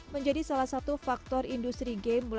menjadi salah satu faktor industri game mulai terbentuk